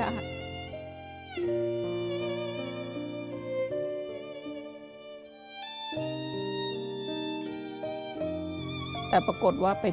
ทำงานชื่อนางหยาดฝนภูมิสุขอายุ๕๔ปี